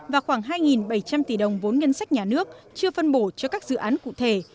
và khoảng hai bảy trăm linh tỷ đồng vốn ngân sách nhà nước chưa phân bổ cho các dự án cụ thể